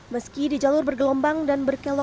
meski di jalur bergelombang dan berkelok